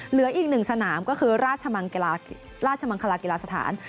เหลืออีกหนึ่งสนามก็คือราชมังคลากีฬาสถาน